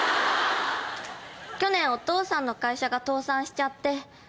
去年お父さんの会社が倒産しちゃって。